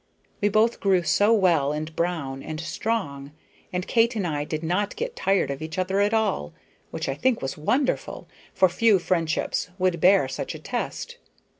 We both grew so well and brown and strong, and Kate and I did not get tired of each other at all, which I think was wonderful, for few friendships would bear such a test.